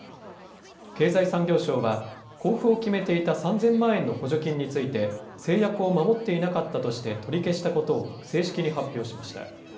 経済産業省は、交付を決めていた３０００万円の補助金について、誓約を守っていなかったとして取り消したことを、正式に発表しました。